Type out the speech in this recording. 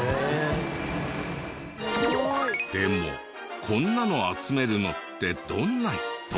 でもこんなの集めるのってどんな人？